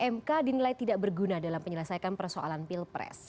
mk dinilai tidak berguna dalam penyelesaikan persoalan pilpres